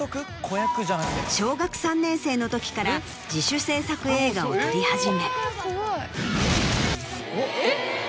小学３年生の時から自主制作映画を撮り始め。